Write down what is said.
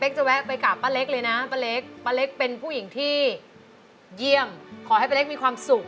ขอให้ปะเล็กมีความสุข